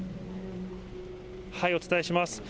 お伝えします。